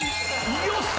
よし！